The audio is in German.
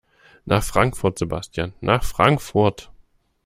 Nach Frankfrut Sebastian, nach Frankfurt!